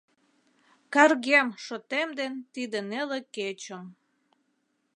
Каргем шотем ден тиде неле кечым.